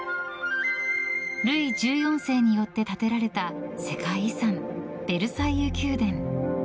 ルイ１４世によって建てられた世界遺産ベルサイユ宮殿。